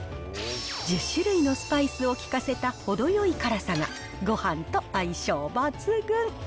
１０種類のスパイスを効かせた程よい辛さがごはんと相性抜群。